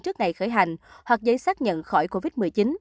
trước ngày khởi hành hoặc giấy xác nhận khỏi covid một mươi chín